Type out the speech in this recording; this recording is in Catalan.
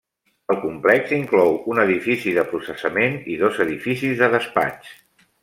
El complex inclou un edifici de processament i dos edificis de despatx.